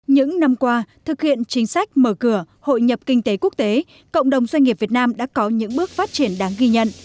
những năm qua thực hiện chính sách mở cửa hội nhập kinh tế quốc tế cộng đồng doanh nghiệp việt nam đã có những bước phát triển đáng ghi nhận